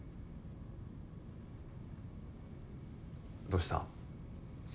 どうした？